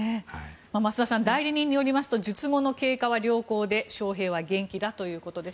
増田さん代理人によりますと術後の経過は良好ということです。